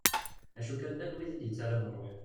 D acu kan llan wid i d-yettaran rruḥ.